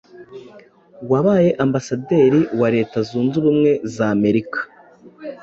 wabaye Ambasaderi wa Leta Zunze Ubumwe za Amerika